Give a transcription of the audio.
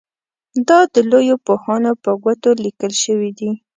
دا د لویو پوهانو په ګوتو لیکل شوي دي.